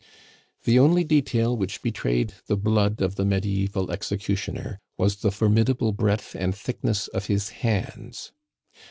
The only detail which betrayed the blood of the mediaeval executioner was the formidable breadth and thickness of his hands.